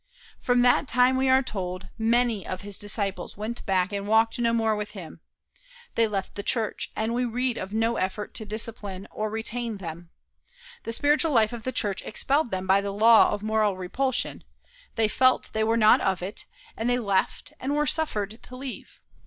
From that time, we are told, many of his disciples went back and walked no more with him. They left the church; and we read of no effort to discipline or retain them. The spiritual life of the church expelled them by the law of moral repulsion; they felt they were not of it, and they left, and were suffered to leave.